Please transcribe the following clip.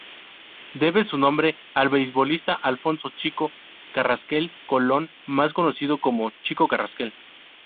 Debe su nombre al beisbolista Alfonso "Chico" Carrasquel Colón más conocido como "Chico Carrasquel".